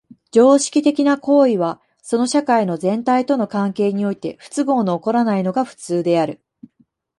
常識的な行為はその社会の全体との関係において不都合の起こらないのが普通である。